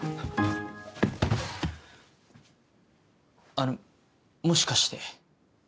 あのもしかして。